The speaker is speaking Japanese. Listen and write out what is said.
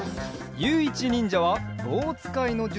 ゆういちにんじゃはぼうつかいのじゅ